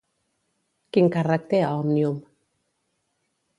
Quin càrrec té a Òmnium?